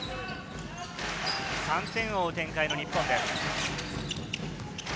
３点を追う展開の日本です。